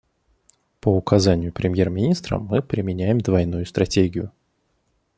По указанию премьер-министра мы применяем двойную стратегию.